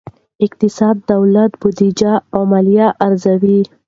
اقتصاد د دولت بودیجه او مالیه ارزوي.